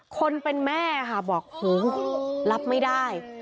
คนเป็นแม่ค่ะบอกหูรับไม่ได้